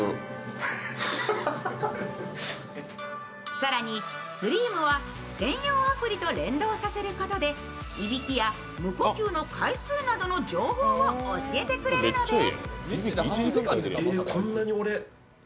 更にスリームは専用アプリと連動させることでいびきや無呼吸の回数などの情報を教えてくれるのです。